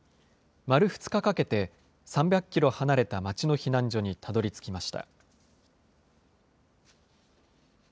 丸２日かけて、３００キロ離れた街の避難所にたどりつきました。